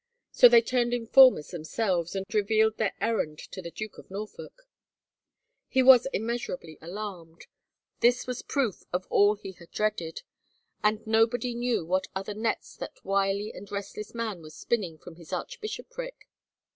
So they turned informers themselves and revealed their errand to the Duke of Norfolk. He was immeasurably alarmed. This was proof of all he had dreaded. And nobody knew what other nets that wily and restless man was spinning from his archbish opric